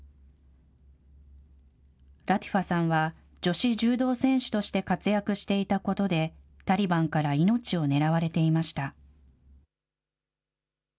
ラティファさんは、女子柔道選手として活躍していたことで、タリバンから命を狙われていました。